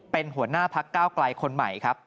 เป็นหัวหน้าพักก้าวไกลคนใหม่ครับ